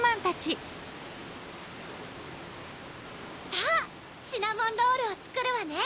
さぁシナモンロールをつくるわね！